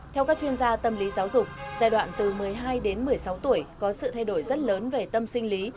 theo các chuyên gia tâm lý giáo dục giai đoạn từ một mươi hai đến một mươi sáu tuổi có sự thay đổi rất lớn về tâm sinh lý